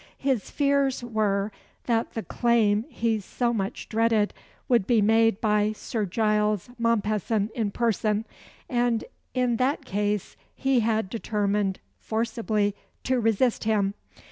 His fears were, that the claim he so much dreaded would be made by Sir Giles Mompesson in person, and in that case he had determined forcibly to resist him.